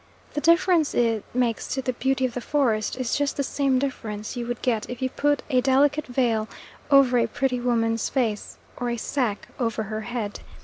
The difference it makes to the beauty of the forest is just the same difference you would get if you put a delicate veil over a pretty woman's face or a sack over her head.